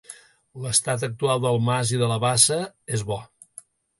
L’estat actual del mas i de la bassa, és bo.